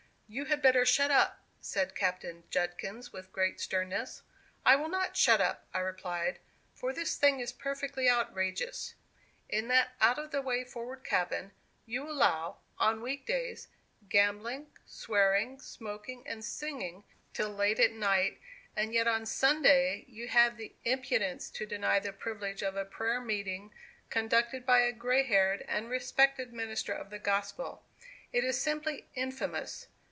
"You had better 'shut up,'" said Captain Judkins, with great sternness. "I will not 'shut up,'" I replied; "for this thing is perfectly outrageous. In that out of the way forward cabin, you allow, on week days, gambling, swearing, smoking and singing, till late at night; and yet on Sunday you have the impudence to deny the privilege of a prayer meeting, conducted by a gray haired and respected minister of the gospel. It is simply infamous!"